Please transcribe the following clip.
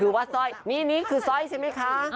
คือว่าซ่อยนี่คือซ่อยใช่ไหมคะ